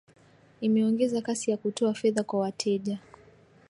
imeongeza kasi ya kutoa fedha kwa wateja